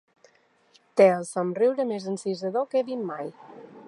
Té el somriure més encisador que he vist mai.